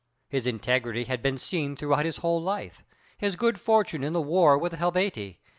His integrity had been seen throughout his whole life, his good fortune in the war with the Helvetii.